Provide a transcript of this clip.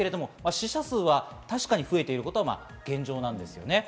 死者数は確かに増えていることは現状なんですよね。